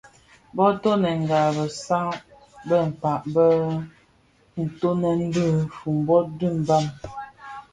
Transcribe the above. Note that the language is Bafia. Bō toňdènga besan be kpag bë kitoňèn ki Fumbot dhi Mbam.